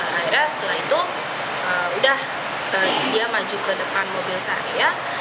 akhirnya setelah itu udah dia maju ke depan mobil saya